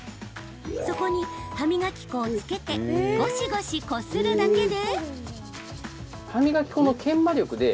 そこに歯磨き粉をつけてゴシゴシこするだけで。